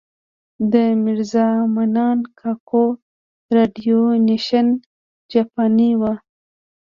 د میرزا منان کاکو راډیو نېشن جاپانۍ وه.